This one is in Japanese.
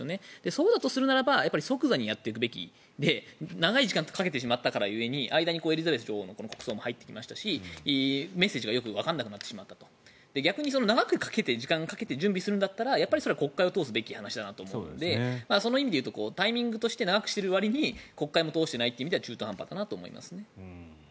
そうだとするならば即座にやっていくべきで長い時間をかけてしまったが故に間にエリザベス女王の国葬も入ってきましたしメッセージがよくわからなくなってしまったと逆に長く時間をかけて準備するんだったらやっぱり国会を通すべき話だなと思うのでそういう意味で言うとタイミングとして長くしているわりに国会も通していないという意味では中途半端かなと思いますね。